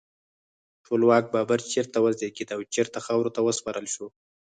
ټولواک بابر چیرته وزیږید او چیرته خاورو ته وسپارل شو؟